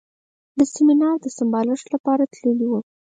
د سیمینار د سمبالښت لپاره تللی و.